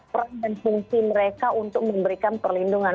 peran dan fungsi mereka untuk memberikan perlindungan